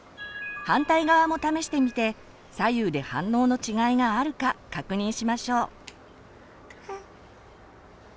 反対側も試してみて左右で反応の違いがあるか確認しましょう。